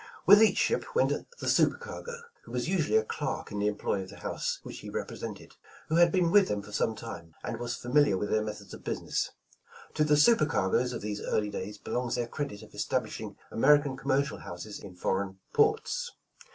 With each ship went the super cargo, who was usual ly a clerk in the employ of the house which he repre sented, who had been with them for some time, and was familiar with their methods of business. To the super cargoes of these early days, belongs the credit of establishing American commercial houses in foreign ports.